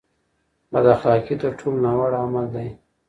بد اخلاقي تر ټولو ناوړه عمل دی.